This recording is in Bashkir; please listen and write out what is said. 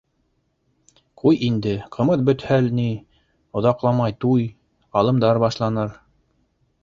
— Ҡуй инде, ҡымыҙ бөтһә ни, оҙаҡламай туй, ҡалымдар башланыр.